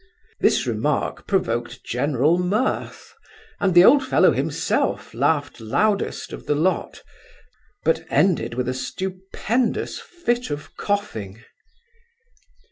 This remark provoked general mirth, and the old fellow himself laughed loudest of the lot, but ended with a stupendous fit of coughing.